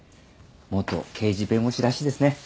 元刑事弁護士らしいですね。